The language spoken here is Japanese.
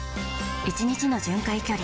１日の巡回距離